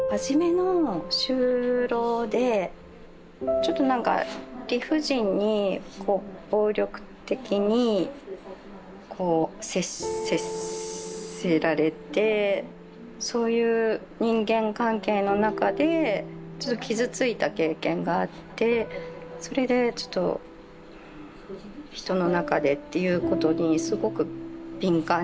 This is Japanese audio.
ちょっとなんか理不尽に暴力的にこう接せられてそういう人間関係の中でちょっと傷ついた経験があってそれでちょっと人の中でっていうことにすごく敏感になってましたね。